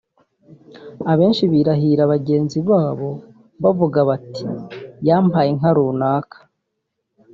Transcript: Abenshi birahira bagenzi babo bavuga bati ‘yamapaye inka’ [runaka]